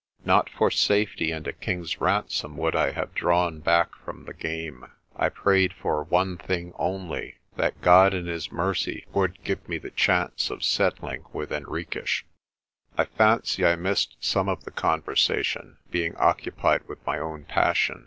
Not for safety and a king's ransom would I have drawn back from the game. I prayed for one thing only, that God in His mercy would give me the chance of settling with Henriques. I fancy I missed some of the conversation, being occupied with my own passion.